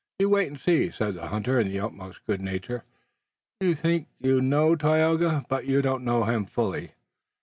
"You wait and see," said the hunter in the utmost good nature. "You think you know Tayoga, but you don't yet know him fully."